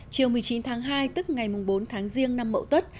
chiều một mươi chín tháng hai tức ngày bốn tháng riêng năm mậu tuất